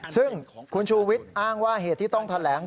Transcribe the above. ซึ่งคุณชูวิทย์อ้างว่าเหตุที่ต้องแถลง